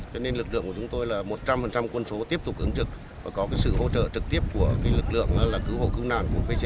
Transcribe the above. cho nên lực lượng của chúng tôi là một trăm linh quân số tiếp tục ứng trực và có sự hỗ trợ trực tiếp của lực lượng cứu hộ cứu nạn của pc sáu mươi sáu